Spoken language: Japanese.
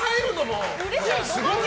うれしい。